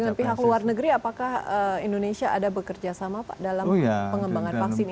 dengan pihak luar negeri apakah indonesia ada bekerja sama pak dalam pengembangan vaksin ini